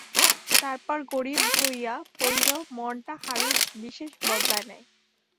তারপর গরিব হইয়া পড়িলেও মনটা হারুর বিশেষ বদলায় নাই।